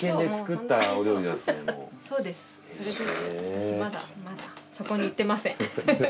私まだまだそこにいってません。